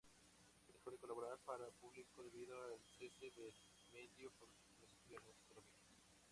Dejó de colaborar para "Público" debido al cese del medio por cuestiones económicas.